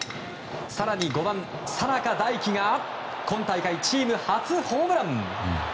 更に５番、佐仲大輝が今大会チーム初ホームラン。